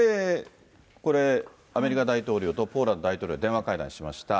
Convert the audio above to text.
これ、アメリカ大統領とポーランド大統領が電話会談しました。